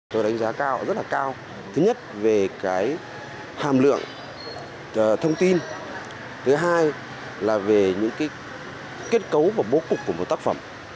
tôi đánh giá cao rất là cao thứ nhất về cái hàm lượng thông tin thứ hai là về những cái kết cấu và bố cục của một tác phẩm